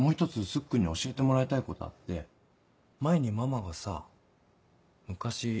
スッくんに教えてもらいたいことあって前にママがさ昔